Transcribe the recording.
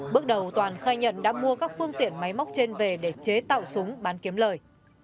bước đầu toàn khai nhận đã mua các phương tiện máy móc trên về để chế tạo súng bán kiếm lời